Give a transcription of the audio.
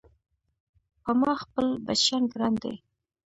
په ما خپل بچيان ګران دي